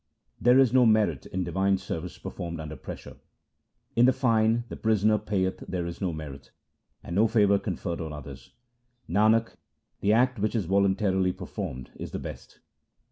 There is no merit in divine service performed under pressure :— In the fine the prisoner payeth there is no merit, and no favour conferred on others ; Nanak, the act which is voluntarily performed is the best.